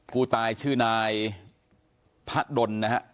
ผู้ตายชื่อนายพระดลนะฮะ